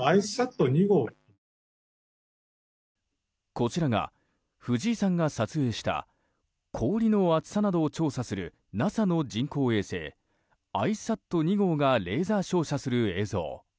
こちらが藤井さんが撮影した氷の厚さなどを調査するＮＡＳＡの人工衛星「ＩＣＥＳａｔ２号」がレーザー照射する映像。